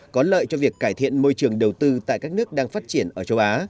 có lợi cho việc cải thiện môi trường đầu tư tại các nước đang phát triển ở châu á